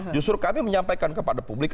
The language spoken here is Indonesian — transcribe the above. justru kami menyampaikan kepada publik